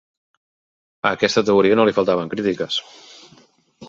A aquesta teoria no li faltaven crítiques.